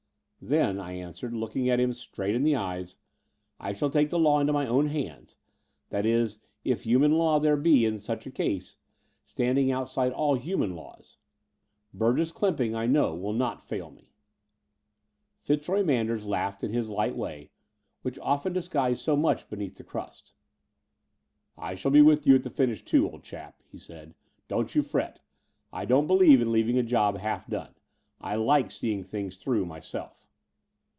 "Then," I answered, looking him straight in the Between London and Clymping 183 eyes, I shall take the law into my own hands — that is, if human law there be in such a case stand ing outside aU human laws. Burgess Clymping, I know, will not fail me." Pitzroy Manders laughed in his light way, which often disguised so much beneath the crust. "I shall be in at the finish, too, old chap," he said, "don't you fret. I don't believe in leaving a job half done. I like seeing things through my self."